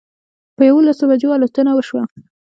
په یوولسو بجو الوتنه وشوه.